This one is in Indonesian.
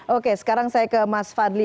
oke sekarang saya ke mas fadli